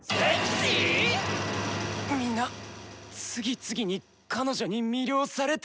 みんな次々に「彼女に」魅了されて！